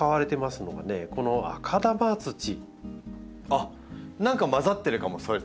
あっ何か混ざってるかもそいつも。